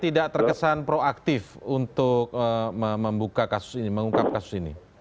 tidak terkesan proaktif untuk membuka kasus ini mengungkap kasus ini